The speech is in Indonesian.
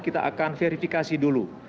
kita akan verifikasi dulu